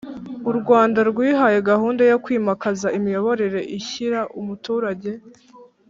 U Rwanda rwihaye gahunda yo kwimakaza imiyoborere ishyira umuturage